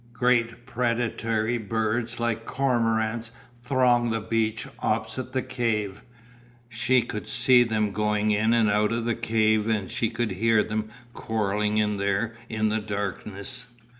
Great predatory birds like cormorants thronged the beach opposite the cave, she could see them going in and out of the cave and she could hear them quarrelling in there in the darkness.